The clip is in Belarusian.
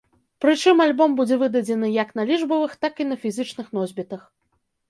Прычым альбом будзе выдадзены як на лічбавых, так і на фізічных носьбітах.